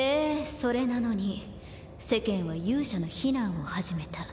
それなのに世間は勇者の非難を始めた。